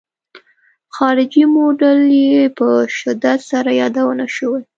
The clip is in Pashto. خارجي موډل یې په شدت سره یادونه شوې.